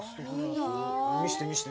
見して見して。